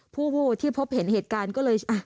ผู้ที่พบเห็นเหตุการณ์ก็เลย